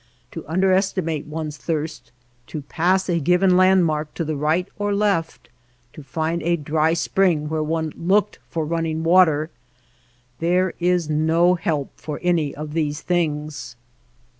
To underestimate one's thirst, to pass a given landmark to the right or left, to find a dry spring where one looked for running water — there is no help for any of these things.